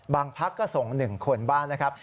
บางพักก็ส่ง๑คนบ้างนะครับ